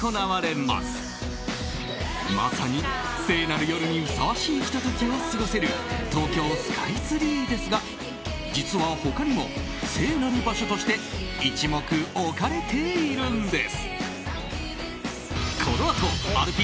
まさに聖なる夜にふさわしいひと時を過ごせる東京スカイツリーですが実は、他にも聖なる場所として一目置かれているんです。